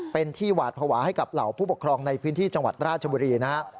เป็นที่หวาดภาวะให้กับเหล่าผู้ปกครองในพื้นที่จังหวัดราชบุรีนะฮะ